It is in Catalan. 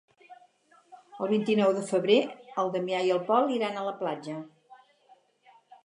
El vint-i-nou de febrer en Damià i en Pol iran a la platja.